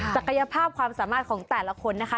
ภาพความสามารถของแต่ละคนนะคะ